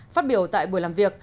phát biểu tại buổi làm việc